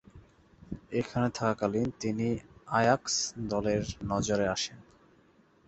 এখানে থাকাকালীন তিনি আয়াক্স দলের নজরে আসেন।